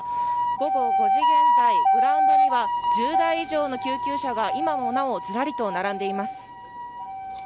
午後５時現在、グラウンドには１０台以上の救急車が今もなお、ずらりと並んでいます。